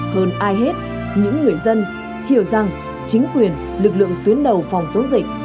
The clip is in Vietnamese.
hơn ai hết những người dân hiểu rằng chính quyền lực lượng tuyến đầu phòng chống dịch